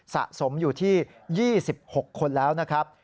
สะสมอยู่ที่๒๖คนแล้วนะครับ